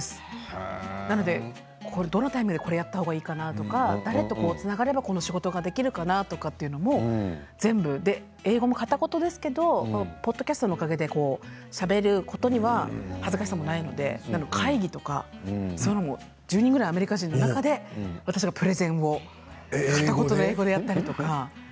どのタイミングでこれをやったらいいかなとか、誰とつながればこの仕事ができるかなというのも全部、英語も片言ですけどポッドキャストのおかげでしゃべることには恥ずかしさもないので会議とかそういうの１０人ぐらいアメリカ人の中で私がプレゼンを片言の英語でやったりとか。